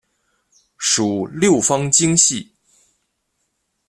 属六方晶系。